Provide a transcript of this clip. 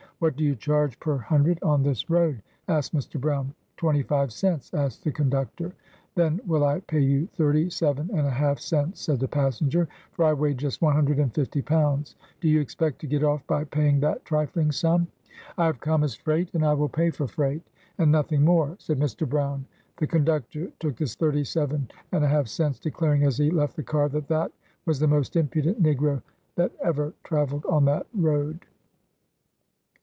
:• What do you charge per hundred on this road?" asked Mr. Brown. "Twenty five cents," answered the conductor. "Then I will pay you thirty seven and a half cents, " said the passenger, "for I weigh just one hundred and fifty pounds.''* lt Do you expect to get off by paying that trifling sum]'' "I have come as freight, and I will pay for freight, and nothing more," said Mr. Brown. The conductor took the thirty seven and a half cents, declaring, as he left the car, that that was the most impudent negro that ever travelled on that road.